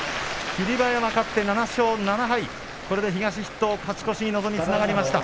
霧馬山、勝って７勝７敗とこれで東筆頭勝ち越しにつながりました。